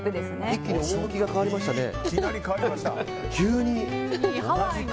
一気に趣が変わりましたね。